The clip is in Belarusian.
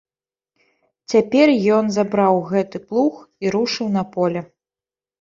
Цяпер ён забраў гэты плуг і рушыў на поле.